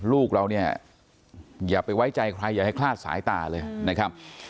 ลูกเราเนี่ยอย่าไปไว้ใจใครอย่าให้คลาดสายตาเลยนะครับ